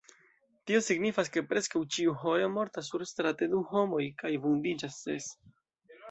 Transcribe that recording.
Tio signifas, ke preskaŭ ĉiuhore mortas surstrate du homoj kaj vundiĝas ses.